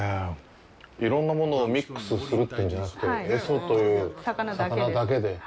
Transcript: いろんなものをミックスするというんじゃなくて、エソという魚だけで。